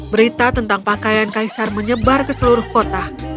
berita tentang pakaian kaisar menyebar ke seluruh kota